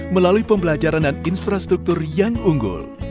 melalui pembelajaran dan infrastruktur yang unggul